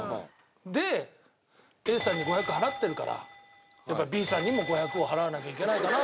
でＡさんに５００払ってるからだからＢさんにも５００を払わなきゃいけないかなと。